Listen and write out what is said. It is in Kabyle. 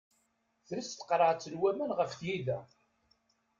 Tres tqerɛet n waman ɣef tgida.